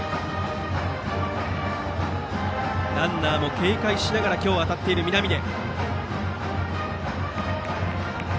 ランナーも警戒しながら今日、当たっている南出。